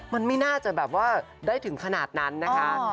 มันไม่น่าจะแบบว่าได้ถึงขนาดนั้นนะคะ